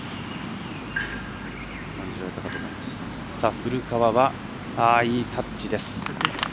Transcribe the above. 古川はいいタッチです。